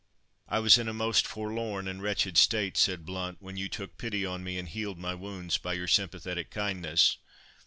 "I was in a most forlorn and wretched state," said Blount, "when you took pity on me and healed my wounds by your sympathetic kindness.